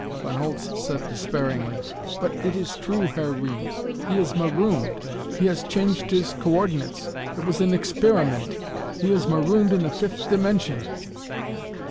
Von Holtz said despairingly: "But it is true, Herr Reames! He is marooned. He has changed his coordinates. It was an experiment. He is marooned in the fifth dimension!"